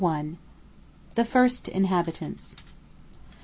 THE FIRST INHABITANTS.